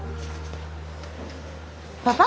パパ？